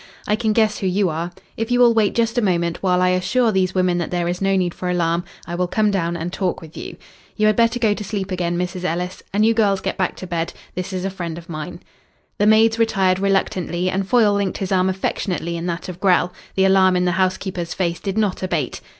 "I can guess who you are. If you will wait just a moment while I assure these women that there is no need for alarm I will come down and talk with you. You had better go to sleep again, Mrs. Ellis. And you girls get back to bed. This is a friend of mine." The maids retired reluctantly and Foyle linked his arm affectionately in that of Grell. The alarm in the housekeeper's face did not abate.